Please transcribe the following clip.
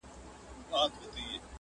په هینداره کي انسان ته.